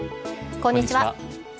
こんにちは。